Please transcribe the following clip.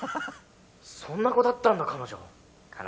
「そんな子だったんだ彼女」